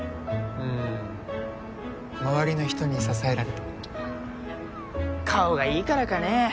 うん周りの人に支えられてあ顔がいいからかねえ